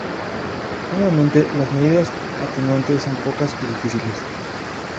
Nuevamente, las medidas atenuantes son pocas y difíciles.